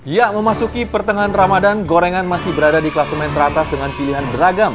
ya memasuki pertengahan ramadan gorengan masih berada di kelas men teratas dengan pilihan beragam